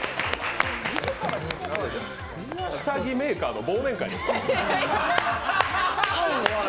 下着メーカーの忘年会。